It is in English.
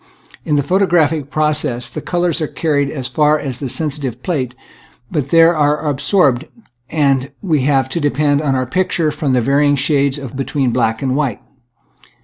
In the photographic process the colors are carried as far as the sensitive plate, but there they are absorbed, and we have to depend for our picture upon the vary ing shades between black and white.